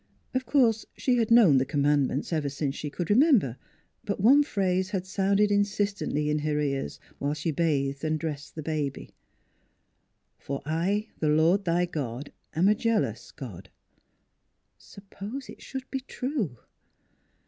Of course she had known the commandments ever since she could remember; but one phrase had sounded in sistently in her ears while she bathed and dressed the baby: " For I the Lord, thy God, am a jealous God! " Suppose it should be true?